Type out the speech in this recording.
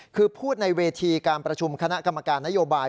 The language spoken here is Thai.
คือพูดในเวทีการประชุมคณะกรรมการนโยบาย